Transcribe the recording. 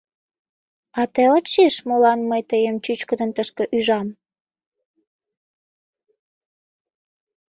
А тый от шиж, молан мый тыйым чӱчкыдын тышке ӱжам?